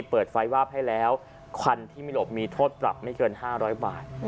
เปิดไฟวาบให้แล้วควันที่ไม่หลบมีโทษปรับไม่เกิน๕๐๐บาท